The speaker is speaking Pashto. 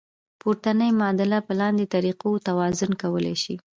پورتنۍ معادله په لاندې طریقو توازن کولی شئ.